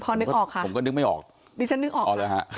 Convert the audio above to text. พอนึกออกค่ะผมก็นึกไม่ออกดิฉันนึกออกอ๋อเลยฮะ